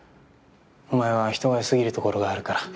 お前は人が良過ぎるところがあるから。